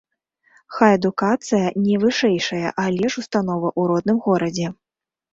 Хай адукацыя не вышэйшая, але ж установа ў родным горадзе.